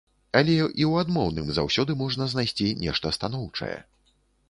Але і ў адмоўным заўсёды можна знайсці нешта станоўчае.